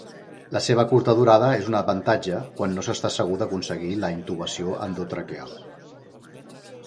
La seva curta durada és un avantatge quan no s'està segur d'aconseguir la intubació endotraqueal.